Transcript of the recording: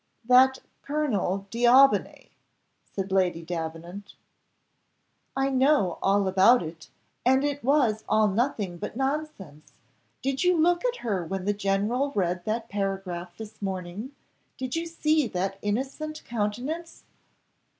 "That Colonel D'Aubigny," said Lady Davenant. "I know all about it, and it was all nothing but nonsense. Did you look at her when the general read that paragraph this morning did you see that innocent countenance?"